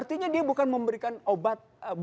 artinya dia bukan memberikan obat